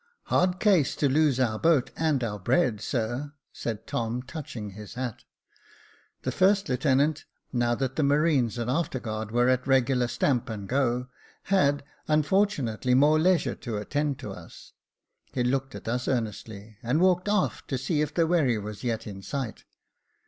" Hard case to lose our boat and our bread, sir," said Tom, touching his hat. The first lieutenant, now that the marines and after guard were at a regular stamp and go, had, unfortunately, more leisure to attend to us. He looked at us earnestly, and walked aft to see if the wherry was yet in sight.